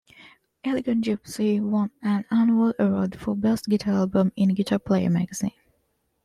"Elegant Gypsy" won an annual award for "Best Guitar Album" in "Guitar Player Magazine".